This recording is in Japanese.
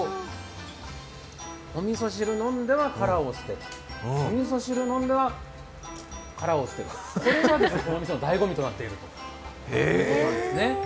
おみそ汁を飲んでは、殻を捨てる、おみそ汁を飲んでは殻を捨てる、これが、この店のだいご味となっているということなんですね。